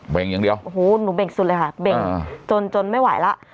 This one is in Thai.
่งอย่างเดียวโอ้โหหนูเบ่งสุดเลยค่ะเบ่งจนจนไม่ไหวแล้ว